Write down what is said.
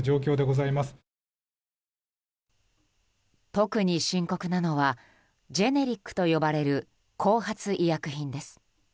特に深刻なのはジェネリックと呼ばれる後発医薬品です。